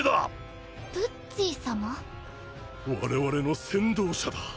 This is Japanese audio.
我々の先導者だ。